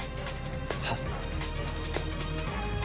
はっ？